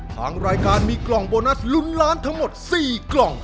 ทางรายการมีกล่องโบนัสลุ้นล้านทั้งหมด๔กล่อง